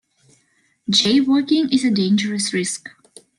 Jaywalking is a dangerous risk.